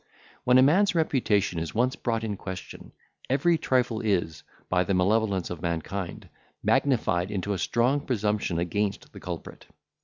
When a man's reputation is once brought in question, every trifle is, by the malevolence of mankind, magnified into a strong presumption against the culprit.